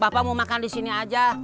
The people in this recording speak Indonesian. bapak mau makan di sini aja